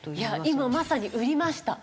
今まさに売りました。